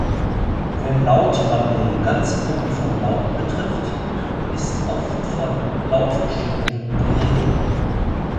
Wenn Lautwandel ganze Gruppen von Lauten betrifft, ist oft von Lautverschiebungen die Rede.